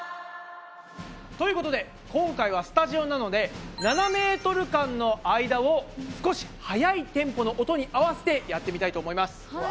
ということで今回はスタジオなので７ｍ間の間を少し速いテンポの音に合わせてやってみたいと思います。